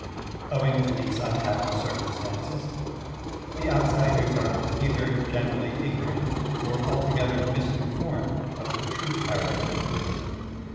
Owing to these unhappy circtmistances, the outsiders are either generally ignorant or alto gether misinformed of the true character of Buddhism.